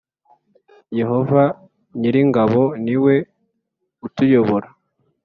Yehova nyir ingabo ni we utuyobora